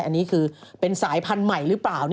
อันนี้คือเป็นสายพันธุ์ใหม่หรือเปล่า